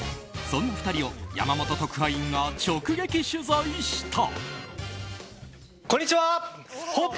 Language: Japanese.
そんな２人を山本特派員が直撃取材した。